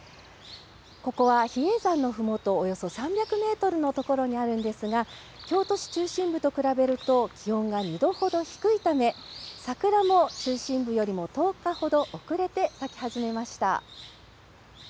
ここは比叡山のふもと、およそ３００メートルの所にあるんですが、京都市中心部と比べると気温が２度ほど低いため、桜も中心部より１０日ほど遅れて咲き始めました。